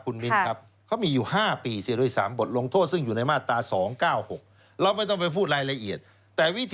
คุณวินครับเขามีอยู่๕ปี